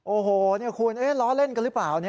โอ้โหคุณล้อเล่นกันหรือเปล่า